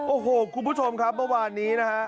โอ้โหคุณผู้ชมครับเมื่อวานนี้นะฮะ